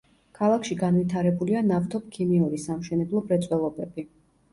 ქალაქში განვითარებულია ნავთობქიმიური, სამშენებლო მრეწველობები.